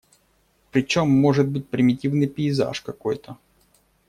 Причем, может быть примитивный пейзаж какой-то.